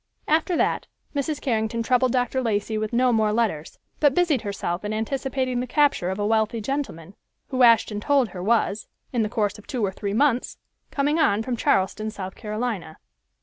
After that Mrs. Carrington troubled Dr. Lacey with no more letters, but busied herself in anticipating the capture of a wealthy gentleman, who Ashton told her was, in the course of two or three months, coming on from Charleston, South Carolina.